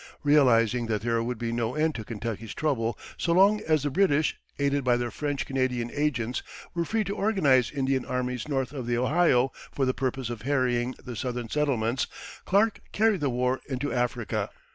Realizing that there would be no end to Kentucky's trouble so long as the British, aided by their French Canadian agents, were free to organize Indian armies north of the Ohio for the purpose of harrying the southern settlements, Clark "carried the war into Africa."